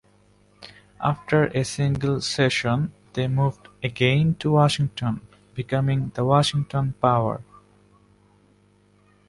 After a single season, they moved again to Washington, becoming the Washington Power.